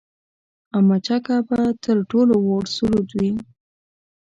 او مچکه به تر ټولو وُړ سرود وي